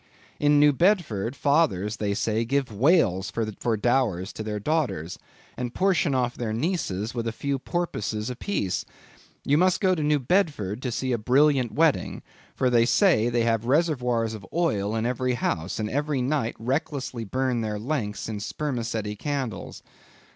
In New Bedford, fathers, they say, give whales for dowers to their daughters, and portion off their nieces with a few porpoises a piece. You must go to New Bedford to see a brilliant wedding; for, they say, they have reservoirs of oil in every house, and every night recklessly burn their lengths in spermaceti candles.